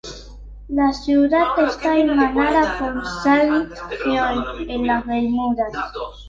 La ciudad está hermanada con Saint George, en las Bermudas.